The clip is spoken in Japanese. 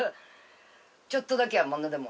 ちょっとだけやもんなでも。